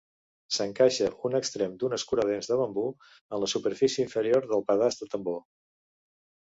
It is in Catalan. S'encaixa un extrem d'un escuradents de bambú en la superfície inferior del pedaç de tambor.